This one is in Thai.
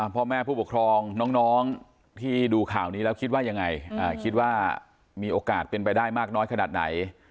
พ่อแม่ผู้ปกครองน้องที่ดูข่าวนี้แล้วคิดว่ายังไงคิดว่ามีโอกาสเป็นไปได้มากน้อยขนาดไหน